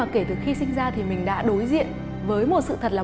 khi sinh ra thì mình đã đối diện với một sự thật là